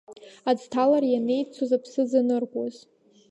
Аӡҭалара ианеиццоз, аԥсыӡ аныркуаз…